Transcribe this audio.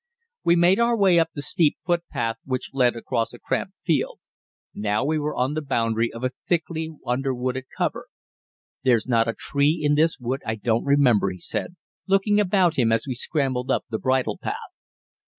We made our way up the steep footpath which led across a cramped field. Now we were on the boundary of a thickly underwooded cover. "There's not a tree in this wood I don't remember," he said, looking about him as we scrambled up the bridle path.